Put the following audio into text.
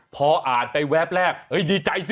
พออ่านไปแวบแรกดีใจสิ